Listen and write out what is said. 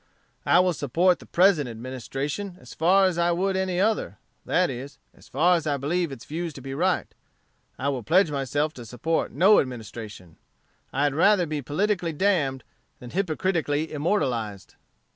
I will support the present Administration as far as I would any other; that is, as far as I believe its views to be right. I will pledge myself to support no Administration. I had rather be politically damned than hypocritically immortalized.'"